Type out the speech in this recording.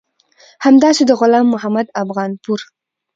همداسې د غلام محمد افغانپور